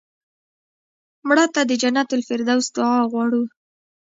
مړه ته د جنت الفردوس دعا غواړو